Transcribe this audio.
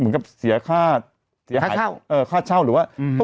ถูกต้องถูกต้องถูกต้องถูกต้อง